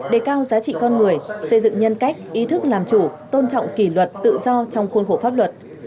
đề cao giá trị con người xây dựng nhân cách ý thức làm chủ tôn trọng kỷ luật tự do trong khuôn khổ pháp luật